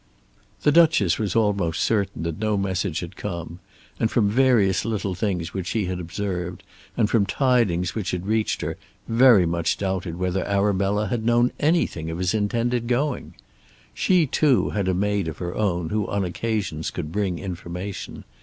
The Duchess was almost certain that no message had come, and from various little things which she had observed and from tidings which had reached her, very much doubted whether Arabella had known anything of his intended going. She too had a maid of her own who on occasions could bring information.